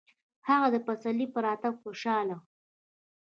هغه د پسرلي په راتګ خوشحاله و.